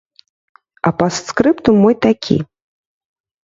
А пастскрыптум мой такі.